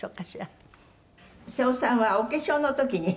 「瀬尾さんはお化粧の時に」